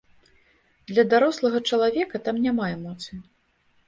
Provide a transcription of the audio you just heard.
Для дарослага чалавека там няма эмоцый.